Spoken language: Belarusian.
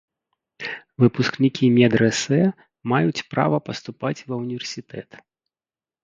Выпускнікі медрэсэ маюць права паступаць ва ўніверсітэт.